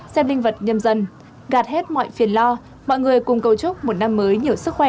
xem linh vật nhân dân gạt hết mọi phiền lo mọi người cùng cầu chúc một năm mới nhiều sức khỏe